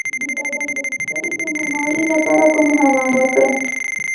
د بدن د پوستکي د نرمولو لپاره کوم حمام وکړم؟